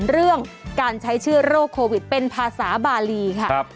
เรื่องการใช้ชื่อโรคโควิดเป็นภาษาบาลีค่ะ